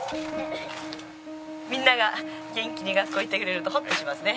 みんなが元気に学校行ってくれるとホッとしますね。